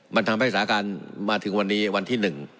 มันทำให้สถานการณ์มาถึงวันนี้วันที่๑